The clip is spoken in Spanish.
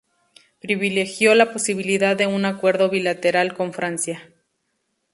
Privilegió la posibilidad de un acuerdo bilateral con Francia.